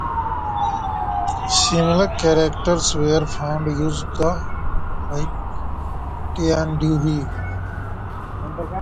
Similar characters were found used by Tiandihui.